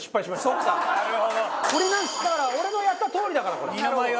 だから俺のやったとおりだからこれ。